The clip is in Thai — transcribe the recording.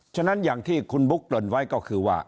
ฉะนั้นอย่างที่คุณบุ๊คเกริ่นไว้ก็คือว่า